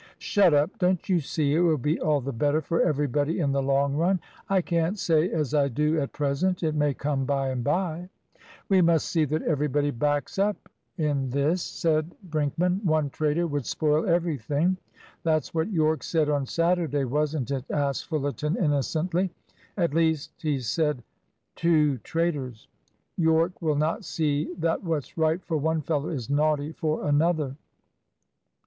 "Shut up. Don't you see it will be all the better for everybody in the long run?" "I can't say I do at present. It may come by and by " "We must see that everybody backs up in this," said Brinkman. "One traitor would spoil everything." "That's what Yorke said on Saturday, wasn't it?" asked Fullerton innocently, "At least, he said two traitors. Yorke will not see that what's right for one fellow is naughty for another."